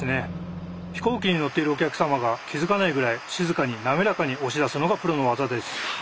飛行機に乗っているお客さまが気付かないぐらい静かに滑らかに押し出すのがプロの技です。